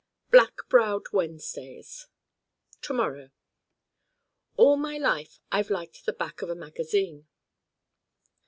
Black browed Wednesdays To morrow All my life I've liked the Back of a magazine.